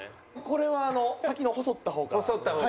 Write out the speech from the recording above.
これは先の細った方から。